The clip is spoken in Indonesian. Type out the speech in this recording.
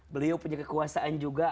beliau punya kekuasaan juga